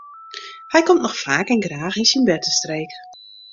Hy komt noch faak en graach yn syn bertestreek.